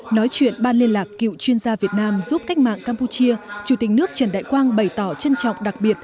nói chuyện ban liên lạc cựu chuyên gia việt nam giúp cách mạng campuchia chủ tịch nước trần đại quang bày tỏ trân trọng đặc biệt